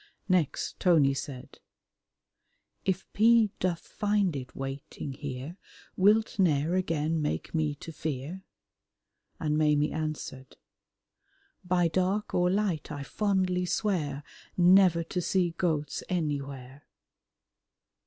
Next Tony said, "If P. doth find it waiting here, Wilt ne'er again make me to fear?" And Maimie answered, "By dark or light I fondly swear Never to see goats anywhere."